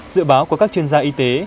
dự báo của các chuyên gia y tế